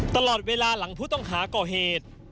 ตลอดเวลาหลังผู้ต้องหาก่อเหตุ